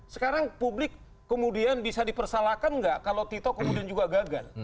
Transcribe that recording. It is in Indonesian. sekarang publik kemudian bisa dipersalahkan nggak kalau tito kemudian juga gagal